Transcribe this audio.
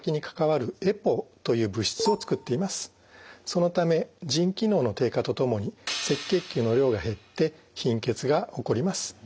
そのため腎機能の低下とともに赤血球の量が減って貧血が起こります。